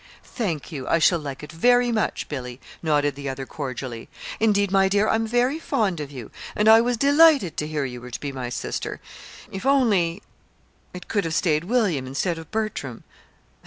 "Thank you. I shall like it very much, Billy," nodded the other cordially. "Indeed, my dear, I'm very fond of you, and I was delighted to hear you were to be my sister. If only it could have stayed William instead of Bertram."